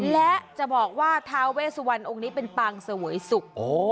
และจะบอกว่าท้าเวสวันองค์นี้เป็นปางเสวยสุข